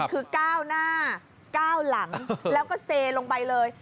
คือก้าวหน้า๙หลังแล้วก็เซลงไปเลย